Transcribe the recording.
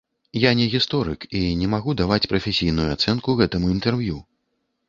Я не гісторык і не магу даваць прафесійную ацэнку гэтаму інтэрв'ю.